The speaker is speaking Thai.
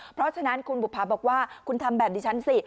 เพราะฉะนั้นคุณบุภาบอกว่าคุณทำแบบนี้ฉันสิ